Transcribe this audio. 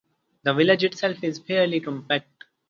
The village itself is fairly compact.